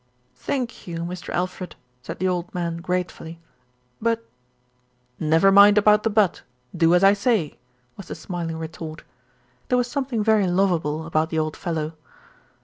"Thank you, Mr. Alfred," said the old man grate fully; "but" "Never mind about the 'but,' do as I say," was the smiling retort. There was something very lovable about the old fellow.